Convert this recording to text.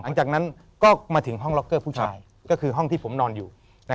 หลังจากนั้นก็มาถึงห้องล็อกเกอร์ผู้ชายก็คือห้องที่ผมนอนอยู่